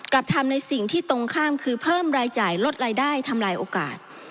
ทำในสิ่งที่ตรงข้ามคือเพิ่มรายจ่ายลดรายได้ทำลายโอกาส